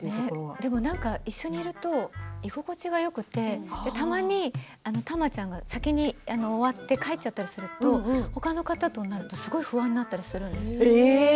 でも一緒にいると居心地がよくてたまに、玉ちゃんが先に終わっちゃって帰ったりするとほかの方となるとすごい不安になったりするんです。